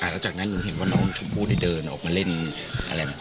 แล้วจากนั้นหนูเห็นว่าน้องชมพู่ได้เดินออกมาเล่นอะไรไหม